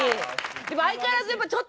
でも相変わらずやっぱ確かに。